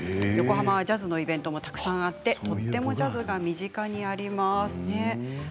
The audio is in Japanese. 横浜はジャズのイベントもたくさんあってとてもジャズが身近にあります。